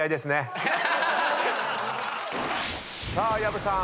さあ薮さん